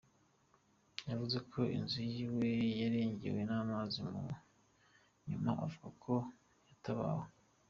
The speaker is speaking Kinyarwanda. Yavuze ko inzu yiwe yarengewe n'amazi mu nyuma avuga ko yatabawe.